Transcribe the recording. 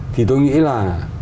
thì tôi nghĩ là